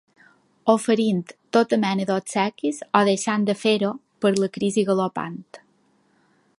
Oferint tota mena d'obsequis o deixant de fer-ho per la crisi galopant.